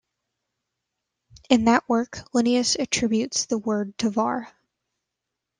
In that work, Linnaeus attributes the word to Varr.